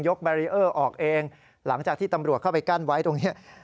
แบรีเออร์ออกเองหลังจากที่ตำรวจเข้าไปกั้นไว้ตรงนี้